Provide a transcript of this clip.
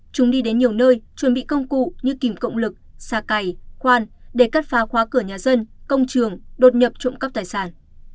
chúng đi đến nhiều nơi chuẩn bị công cụ như kìm cộng lực xa cày khoan để cắt phá khóa cửa nhà dân công trường đột nhập trộm cắp tài sản